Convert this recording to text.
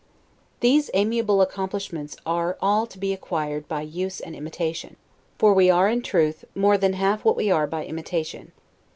These amiable accomplishments are all to be acquired by use and imitation; for we are, in truth, more than half what we are by imitation.